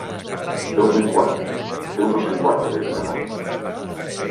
Déu me'n guard, Déu nos en guard, d'haver-hi d'anar.